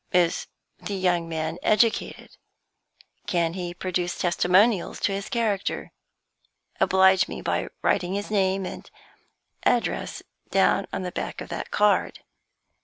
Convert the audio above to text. "Is the young man educated? Can he produce testimonials to his character? Oblige me by writing his name and address down on the back of that card."